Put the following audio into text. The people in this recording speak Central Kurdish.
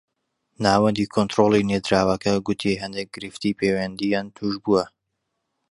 ناوەندی کۆنتڕۆڵی نێردراوەکە گوتی هەندێک گرفتی پەیوەندییان تووش بووە